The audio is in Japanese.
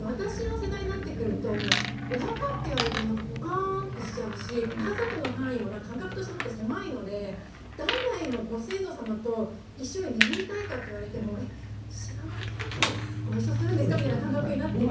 私の世代になってくるとお墓と言われてもぽかんとしちゃうし家族の範囲も感覚としてもっと狭いので代々のご先祖様と一緒に眠りたいかといわれても知らない人とご一緒するんですかみたいな感覚になっていますし。